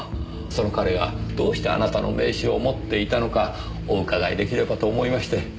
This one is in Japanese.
その彼がどうしてあなたの名刺を持っていたのかお伺いできればと思いまして。